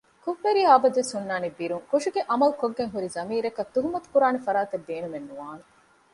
ކުށްވެރިޔާ އަބަދުވެސް ހުންނާނީ ބިރުން ކުށުގެ ޢަމަލު ކޮށްގެންހުރި ޟަމީރަކަށް ތުހުމަތުކުރާނެ ފަރާތެއް ބޭނުމެއް ނުވާނެ